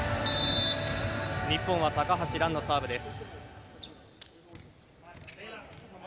日本は高橋藍のサーブです。